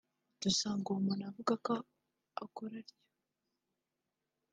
dusanga uwo muntu avuga ko akora atyo